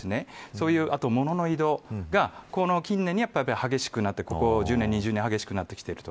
そういう、あと、ものの移動がこの近年に激しくなってここ１０年、２０年激しくなってきている。